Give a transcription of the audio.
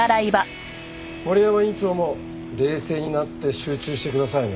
森山院長も冷静になって集中してくださいね。